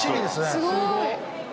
すごーい。